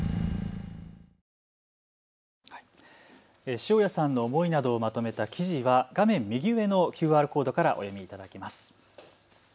塩谷さんの思いなどをまとめた記事は画面右上のＱＲコードからお読みいただけます。